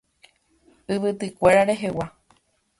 Yvytykuéra rehegua.